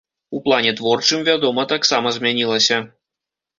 У плане творчым, вядома, таксама змянілася.